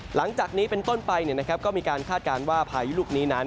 หลังจากนี้เป็นต้นไปก็มีการคาดการณ์ว่าพายุลูกนี้นั้น